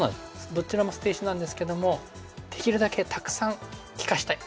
どちらも捨て石なんですけどもできるだけたくさん利かしたい。